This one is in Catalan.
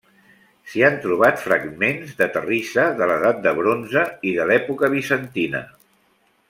S'hi han trobat fragments de terrissa de l'edat de Bronze i de l'època bizantina.